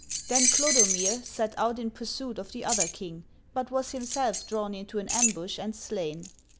Then Clodomir set out in pursuit of the other king, but was himself drawn into an ambush and slain.